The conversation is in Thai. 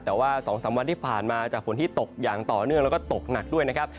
แต่ว่า๒๓วันที่ผ่านมาจากฝนที่ตกอย่างต่อเนื่องแล้วก็ตกหนักด้วยนะครับ